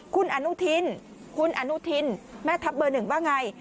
คุณอนุทินแม่ทัพเบอร์๑บ้างไง